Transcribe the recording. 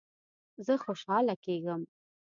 زه خوشحاله کیږم